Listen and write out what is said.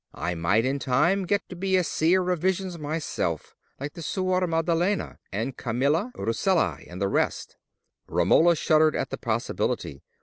I might in time get to be a seer of visions myself, like the Suora Maddalena, and Camilla Rucellai, and the rest." Romola shuddered at the possibility.